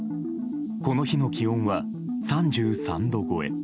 この日の気温は３３度超え。